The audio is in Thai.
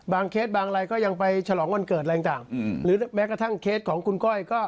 เคสบางรายก็ยังไปฉลองวันเกิดอะไรต่างหรือแม้กระทั่งเคสของคุณก้อยก็